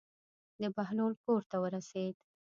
د بهلول کور ته ورسېد.